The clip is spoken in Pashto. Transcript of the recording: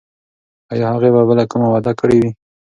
ایا هغې به بله کومه وعده کړې وي؟